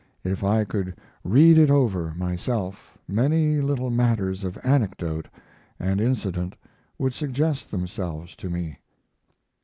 If I could read it over myself many little matters of anecdote and incident would suggest themselves to me.